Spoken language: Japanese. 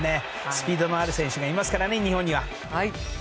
スピードがある選手がいますから日本には。